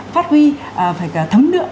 phát huy phải thấm lượng